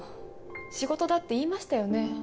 仕事だって言いましたよね。